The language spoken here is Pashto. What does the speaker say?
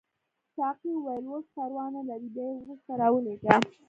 ساقي وویل اوس پروا نه لري بیا یې وروسته راولېږه.